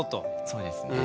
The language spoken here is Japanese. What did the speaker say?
そうですね。